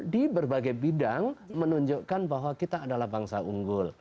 di berbagai bidang menunjukkan bahwa kita adalah bangsa unggul